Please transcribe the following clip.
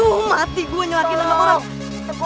aduh mati gua nyemak gitu sama orang